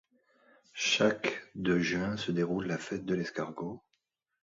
Chaque de juin se déroule la fête de l'escargot.